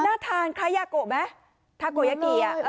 น่าทานคล้ายยาโกะไหมทาโกยากี